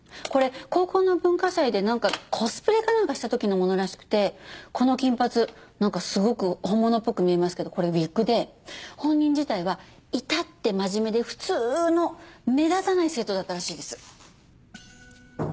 これ高校の文化祭でなんかコスプレかなんかした時のものらしくてこの金髪なんかすごく本物っぽく見えますけどこれウィッグで本人自体は至って真面目で普通の目立たない生徒だったらしいです。